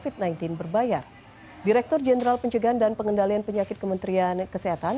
direktur jenderal pencegahan dan pengendalian penyakit kementerian kesehatan